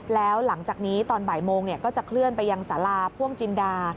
แล้วหลังจากนี้ตอนบ่ายโมงก็จะเคลื่อนไปยังสาราพ่วงจินดา